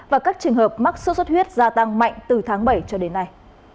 và các trường hợp mắc sốt xuất huyết gia tăng mạnh từ tháng bảy cho đến nay